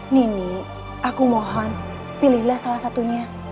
nini aku mohon pilihlah salah satunya